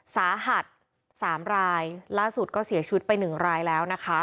สาหัส๓รายล่าสุดก็เสียชุดไป๑รายแล้ว